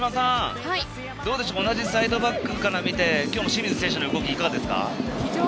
同じサイドバックから見て、今日の清水選手の動きはいかがですか？